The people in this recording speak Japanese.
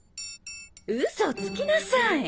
ウソつきなさい！